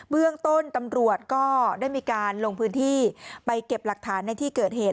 เรื่องต้นตำรวจก็ได้มีการลงพื้นที่ไปเก็บหลักฐานในที่เกิดเหตุ